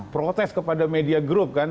protes kepada media group kan